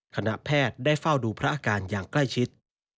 คณะแพทย์ได้เฝ้าดูพระอาการอย่างใกล้ชิด